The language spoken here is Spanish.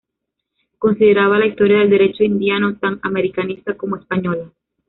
Consideraba la historia del derecho indiano tan americanista como española.